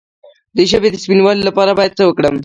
د ژبې د سپینوالي لپاره باید څه وکړم؟